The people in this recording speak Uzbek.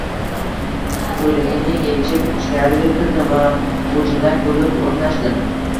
Ko`ylagimni echib, ichkariga kirdim va g`ujanak bo`lib o`rnashdim